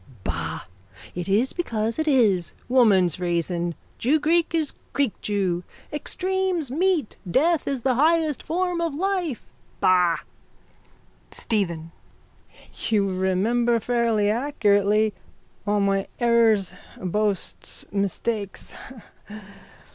_ Bah! It is because it is. Woman's reason. Jewgreek is greekjew. Extremes meet. Death is the highest form of life. Bah! STEPHEN: You remember fairly accurately all my errors, boasts, mistakes.